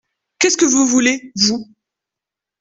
Qu’est-ce que vous voulez… vous ?